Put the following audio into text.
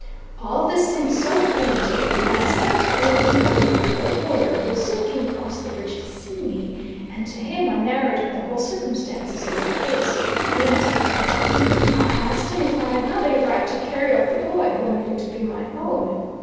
All this seemed so plain to me that I sent over to Belvidere for a lawyer, who soon came across the bridge to see me, and to him I narrated the whole circumstances of the case from, beginning to end. I asked him if I had not a right to carry off the boy whom I knew to be my own?